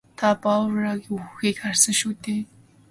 Та Барруагийн үхэхийг харсан шүү дээ?